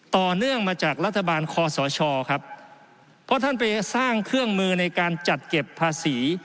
เนื่องมาจากรัฐบาลคอสชครับเพราะท่านไปสร้างเครื่องมือในการจัดเก็บภาษี